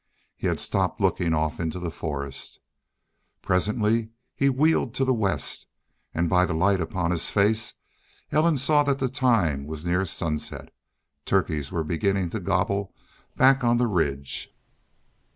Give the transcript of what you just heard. He had stopped looking off into the forest. Presently he wheeled to the west, and by the light upon his face Ellen saw that the time was near sunset. Turkeys were beginning to gobble back on the ridge.